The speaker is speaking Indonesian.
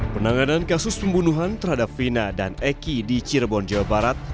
penanganan kasus pembunuhan terhadap vina dan eki di cirebon jawa barat